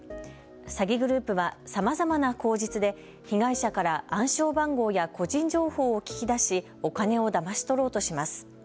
詐欺グループはさまざまな口実で被害者から暗証番号や個人情報を聞き出しお金をだまし取ろうとします。